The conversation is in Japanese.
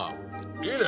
いいね！